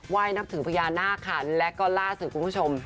ไหว้นับถือพญานาคค่ะแล้วก็ล่าถือคุณผู้ชม